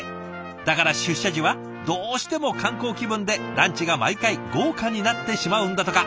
だから出社時はどうしても観光気分でランチが毎回豪華になってしまうんだとか。